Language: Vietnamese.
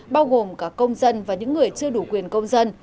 bao gồm cả công dân và những người chưa đủ quyền công dân